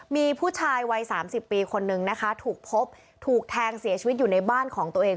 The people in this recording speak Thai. มีผู้ชายวัยสามสิบปีคนนึงนะคะถูกพบถูกแทงเสียชีวิตอยู่ในบ้านของตัวเอง